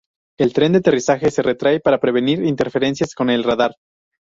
El tren de aterrizaje se retrae para prevenir interferencias con el radar.